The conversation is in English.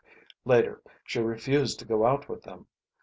Later she refused to go out with them.